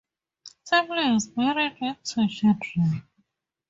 Temple is married with two children.